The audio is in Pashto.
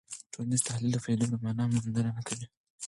ټولنیز تحلیل د پدیدو د مانا موندنه کوي.